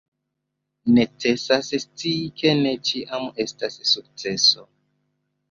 Necesas scii, ke ne ĉiam estas sukceso.